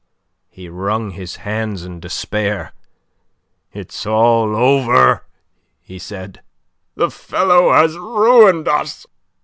He wrung his hands in despair. "It is all over!" he said. "The fellow has ruined us!